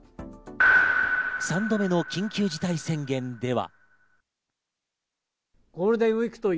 ３度目の緊急事態宣言では。